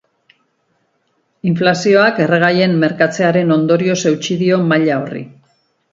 Inflazioak erregaien merkatzearen ondorioz eutsi dio maila horri.